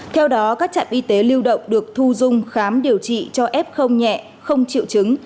theo đó các trạm y tế lưu động được thu dung khám điều trị cho f nhẹ không chịu chứng